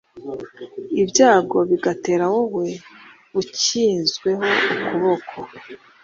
ibyago bigatera wowe ukinzweho ukuboko